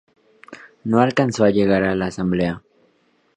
No alcanzó a llegar a la Asamblea.